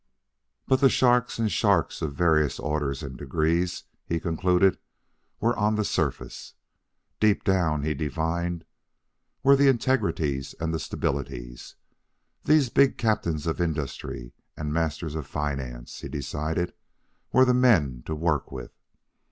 But the sharks and sharks of various orders and degrees, he concluded, were on the surface. Deep down, he divined, were the integrities and the stabilities. These big captains of industry and masters of finance, he decided, were the men to work with.